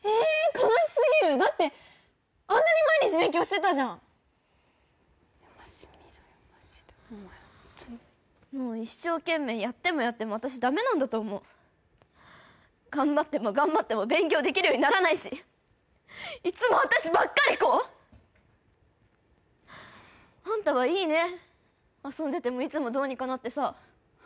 悲しすぎるだってあんなに毎日勉強してたじゃんマジ見ろよマジでお前ホンットにもう一生懸命やってもやっても私ダメなんだと思う頑張っても頑張っても勉強できるようにならないしいつも私ばっかりこう！あんたはいいね遊んでてもいつもどうにかなってさ